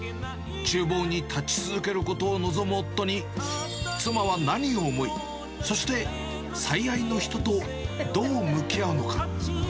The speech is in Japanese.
ちゅう房に立ち続けることを望む夫に、妻は何を思い、そして最愛の人とどう向き合うのか。